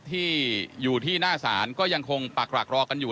ที่อยู่ที่หน้าศาลก็ยังคงปักหลักรอกันอยู่